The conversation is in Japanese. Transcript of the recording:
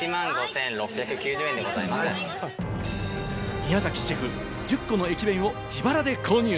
宮崎シェフ、１０個の駅弁を自腹で購入。